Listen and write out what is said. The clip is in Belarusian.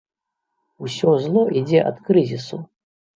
Усё зло ідзе ад крызісу!